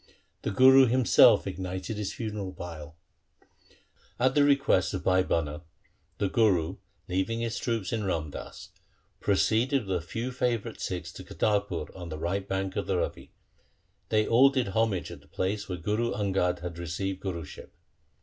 The Guru himself ignited his funeral pile. At the request of Bhai Bhana the Guru, leaving his troops in Ramdas, proceeded with a few favourite Sikhs to Kartarpur on the right bank of the Ravi. They all did homage at the place where Guru Angad had received Guruship.